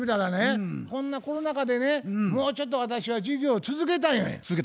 こんなコロナ禍でねもうちょっと私は事業を続けたい。